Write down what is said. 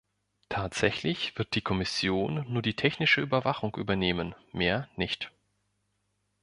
Tatsächlich wird die Kommission nur die technische Überwachung übernehmen, mehr nicht.